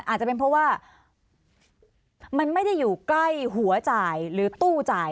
อาจจะเป็นเพราะว่ามันไม่ได้อยู่ใกล้หัวจ่ายหรือตู้จ่าย